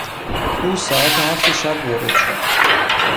او ساعت هفت شب وارد شد.